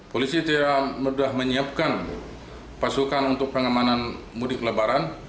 polisi tira sudah menyiapkan pasukan untuk pengemanan mudik lebaran